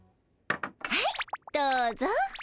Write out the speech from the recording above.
はいどうぞ。